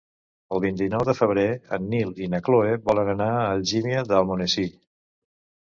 El vint-i-nou de febrer en Nil i na Cloè volen anar a Algímia d'Almonesir.